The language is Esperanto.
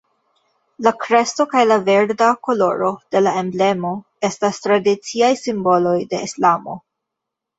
La kresto kaj la verda koloro de la emblemo estas tradiciaj simboloj de Islamo.